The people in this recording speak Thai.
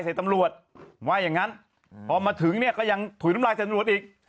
ตำรวจว่าอย่างนั้นพอมาถึงเนี่ยก็ยังถุยน้ำลายใส่ตำรวจอีก